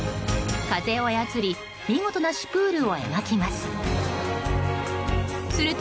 風を操り見事なシュプールを描きます。